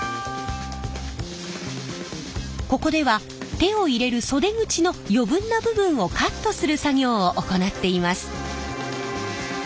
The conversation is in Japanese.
ここでは手を入れる袖口の余分な部分をカットする作業を行っています。